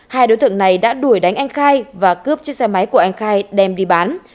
hai đối tượng này đã đuổi đánh anh khai và cướp chiếc xe máy của anh khai đem đi bán